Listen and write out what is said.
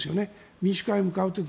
民主化に向かう時。